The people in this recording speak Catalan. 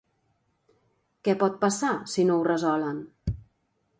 Què pot passar, si no ho resolen?